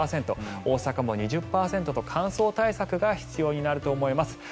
大阪も２０％と、乾燥対策が必要になると思います。